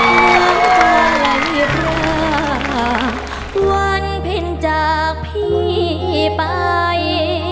เมื่อเวลาหลายประวันเพ็ญจากพี่ไป